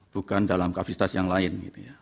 bukan dalam kapasitas yang lain